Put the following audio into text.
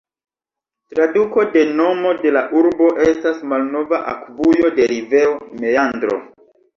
Traduko de nomo de la urbo estas "malnova akvujo de rivero, meandro".